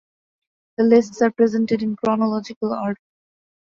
The lists are presented in chronological order.